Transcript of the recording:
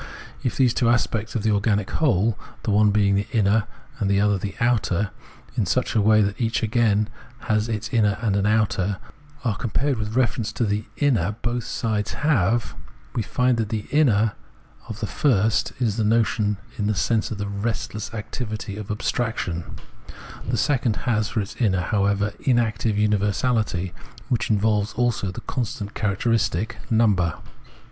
If the two aspects of the organic whole the one being the inner, while the other is the outer, in such a way that each again has in it an inner and an outer — are compared with reference to the inner both sides have, we find that the inner of the first is the notion, in the sense of the restless activity of abstraction ; the second has for its inner, however, inactive universahty, which involves also the constant characteristic — number.